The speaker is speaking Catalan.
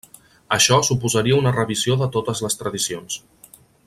Això suposaria una revisió de totes les tradicions.